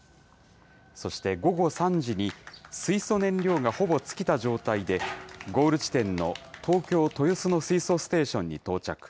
そして午後３時に、水素燃料がほぼ尽きた状態でゴール地点の東京・豊洲の水素ステーションに到着。